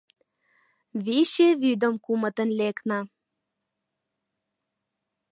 Виче вӱдым кумытын лекна